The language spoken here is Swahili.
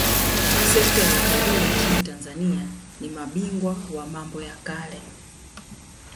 Sekta ya Utalii nchini Tanzania ni mabingwa wa mambo ya kale